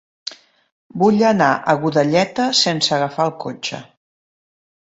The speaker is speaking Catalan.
Vull anar a Godelleta sense agafar el cotxe.